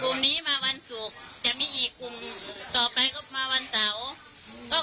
กลุ่มนี้มาวันศุกร์แต่มีอีกกลุ่มต่อไปก็มาวันเสาร์